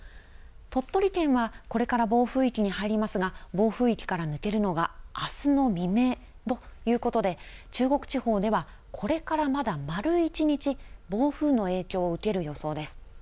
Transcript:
鳥取県はこれから暴風域に入りますが、暴風域から抜けるのがあすの未明ということで、中国地方では、これから、まだ丸１日、暴風の影響を受ける予想です。